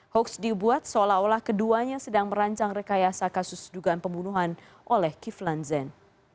hoax dibuat seolah olah keduanya sedang merancang rekayasa kasus dugaan pembunuhan oleh kiflan zen